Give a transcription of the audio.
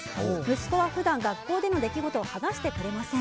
息子は普段、学校での出来事を話してくれません。